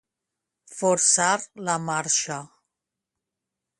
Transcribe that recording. Forçar la marxa.